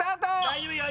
大丈夫よ。